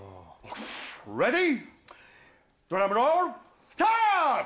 レディードラムロールスタート！